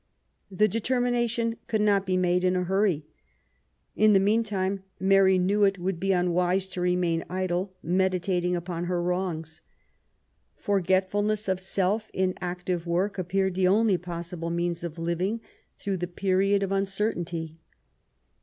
The determination could not be made in a hurry. In the meantime Mary knew it would be unwise to remain idle, meditating upon her wrongs. Forgetfulness of self in active work appeared the only possible means of living through the period of uncertainty.